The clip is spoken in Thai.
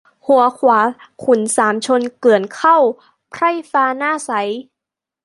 หัวขวาขุนสามชนเกลื่อนเข้า ไพร่ฟ้าหน้าใส